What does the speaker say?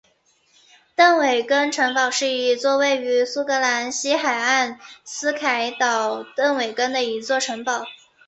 邓韦根城堡是一座位于苏格兰西海岸斯凯岛邓韦根的一座城堡。